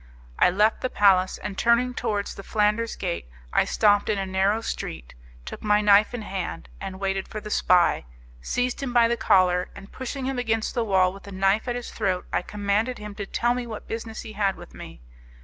I left the palace, and turning towards the Flanders Gate I stopped in a narrow street, took my knife in my hand, waited for the spy, seized him by the collar, and pushing him against the wall with the knife at his throat I commanded him to tell me what business he had with me.